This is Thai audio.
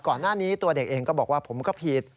ก่อนหน้านี้ตัวเด็กเองก็บอกว่าผมก็ผิด